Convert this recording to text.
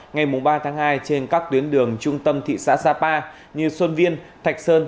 ngày ba tháng hai trên các tuyến đường trung tâm thị xã sapa như xuân viên thạch sơn